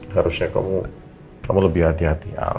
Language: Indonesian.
harusnya kamu lebih hati hati